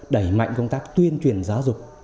đẩy mạnh công tác tuyên truyền giáo dục